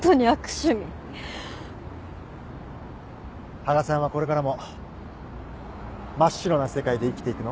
羽賀さんはこれからも真っ白な世界で生きていくの？